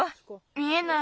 見えない。